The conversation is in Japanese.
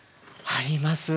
あります。